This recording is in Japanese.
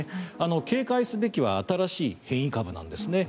警戒すべきは新しい変異株なんですね。